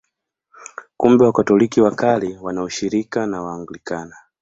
Kumbe Wakatoliki wa Kale wana ushirika na Waanglikana.